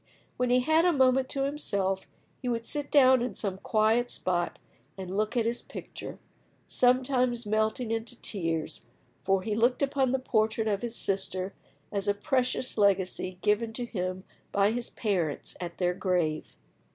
When he had a moment to himself, he would sit down in some quiet spot and look at his picture, sometimes melting into tears, for he looked upon the portrait of his sister as a precious legacy given to him by his parents at their grave.